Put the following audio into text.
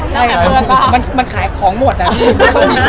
ใช่หรอว่ามันขายของหมดไม่ต้องมีอะไร